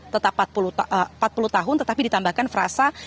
tetap empat puluh tahun tetapi ditambahkan frasa